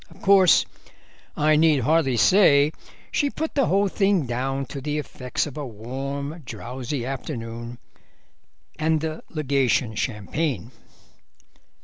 Of course I need hardly say she put the whole thing down to the effects of a warm, drowsy afternoon and the Legation champagne.